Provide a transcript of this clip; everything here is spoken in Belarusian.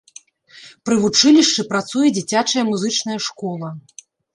Пры вучылішчы працуе дзіцячая музычная школа.